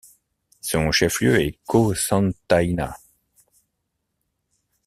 Son chef-lieu est Cocentaina.